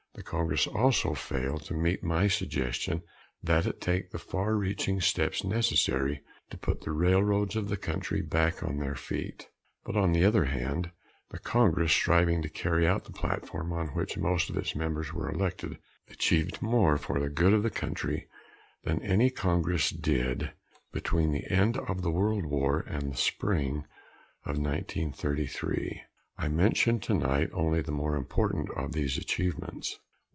The Congress also failed to meet my suggestion that it take the far reaching steps necessary to put the railroads of the country back on their feet. But, on the other hand, the Congress, striving to carry out the platform on which most of its members were elected, achieved more for the future good of the country than any Congress did between the end of the World War and the spring of 1933. I mention tonight only the more important of these achievements.